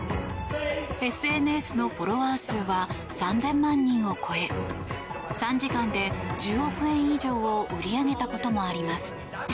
ＳＮＳのフォロワー数は３０００万人を超え３時間で１０億円以上を売り上げたこともあります。